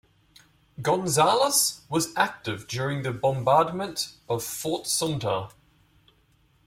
Gonzales was active during the bombardment of Fort Sumter.